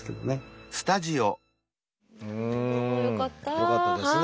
よかったですね。